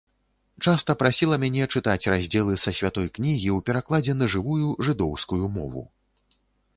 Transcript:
Часта прасіла мяне чытаць раздзелы са святой кнігі ў перакладзе на жывую жыдоўскую мову.